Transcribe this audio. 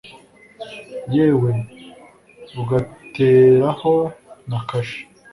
yewe ugateraho na kashi